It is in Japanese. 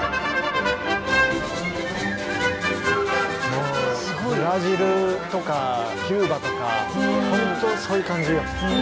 もうブラジルとかキューバとかほんとそういう感じ。